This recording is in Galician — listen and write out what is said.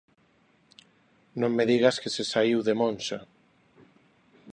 ¿Non me digas que se saíu de monxa?